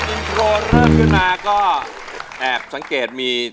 อินโทรเริ่มขึ้นมาก็แอบสังเกตมี